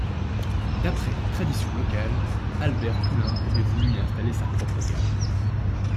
D'après la tradition locale, Albert Poulain aurait voulu y installer sa propre gare.